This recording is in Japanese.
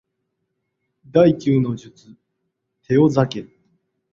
第九の術テオザケル